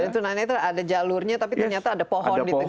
turunan netra ada jalurnya tapi ternyata ada pohon